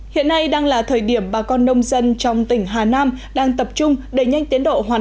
hiện nay đang là thời điểm bà con nông dân trong tỉnh hà nam đang tập trung đẩy nhanh tiến độ hoàn